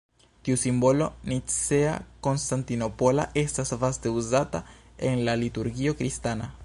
Tiu simbolo nicea-konstantinopola estas vaste uzata en la liturgio kristana.